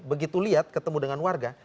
begitu lihat ketemu dengan warga